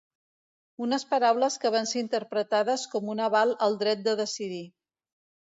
Unes paraules que van ser interpretades com un aval al dret de decidir.